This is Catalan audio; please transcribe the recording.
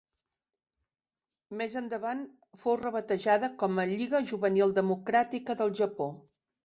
Més endavant, fou rebatejada com a Lliga Juvenil Democràtica del Japó.